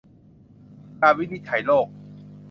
การวินิจฉัยโรค